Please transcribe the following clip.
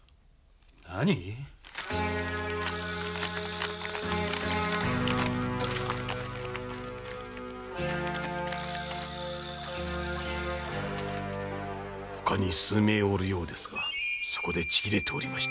何⁉他に数名おるようですがそこでちぎれておりまして。